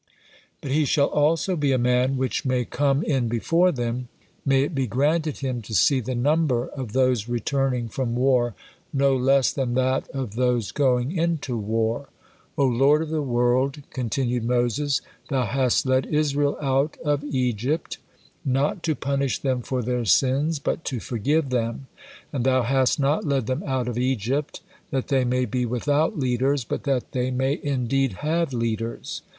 But he shall also be a man 'which may come in before them;' may it be granted him to see the number of those returning from war no less than that of those going into war. O Lord of the world!" continued Moses, "Thou hast led Israel out of Egypt, not to punish them for their sins, but to forgive them, and Thou hast not led them out of Egypt that they may be without leaders, but that they may indeed have leaders.